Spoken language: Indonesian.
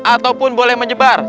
ataupun boleh menjebar